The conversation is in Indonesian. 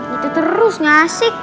gitu terus gak asik